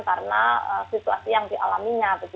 karena situasi yang dialaminya